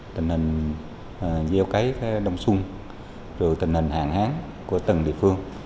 tình hình gieo cái đông sung rồi tình hình hạn hán của từng địa phương